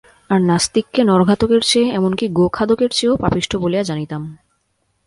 আর, নাস্তিককে নরঘাতকের চেয়ে, এমন-কি গো-খাদকের চেয়েও পাপিষ্ঠ বলিয়া জানিতাম।